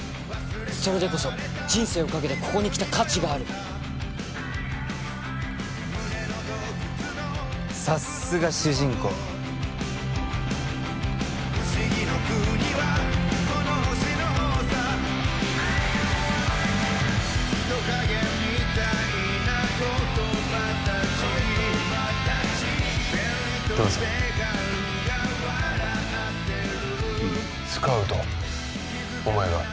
それでこそ人生をかけてここに来た価値があるさっすが主人公どうぞスカウトお前が？